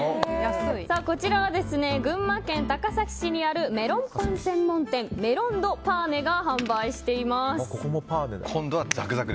こちらは群馬県高崎市にあるメロンパン専門店メロン・ド・パーネが販売しています。